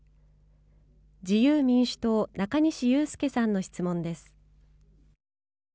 自由民主党、中西祐介さんの質問です。